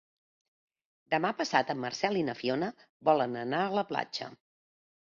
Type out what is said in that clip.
Demà passat en Marcel i na Fiona volen anar a la platja.